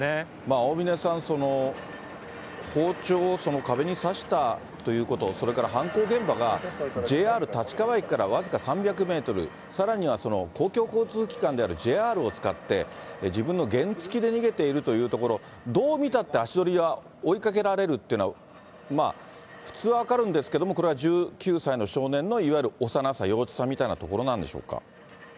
大峯さん、包丁を壁に刺したということ、それから犯行現場が、ＪＲ立川駅から僅か３００メートル、さらには公共交通機関であるＪＲを使って、自分の原付きで逃げているというところ、どう見たって足取りは追いかけられるっていうのは、普通分かるんですけれども、これは１９歳の少年のいわゆる幼さ、幼稚さみたいなところなんでしょうか。